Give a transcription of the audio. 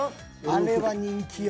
あれは人気よ。